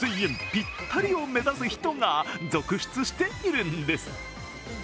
ぴったりを目指す人が続出しているんです。